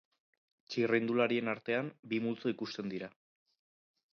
Txirrindularien artean bi multzo ikusten dira.